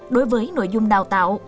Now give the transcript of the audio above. đối với nội dung đào tạo